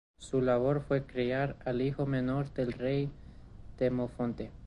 Su labor fue criar al hijo menor del rey, Demofonte.